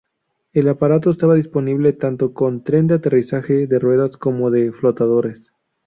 El aparato estaba disponible tanto con tren de aterrizaje de ruedas como de flotadores.